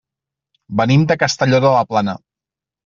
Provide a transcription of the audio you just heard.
Venim de Castelló de la Plana.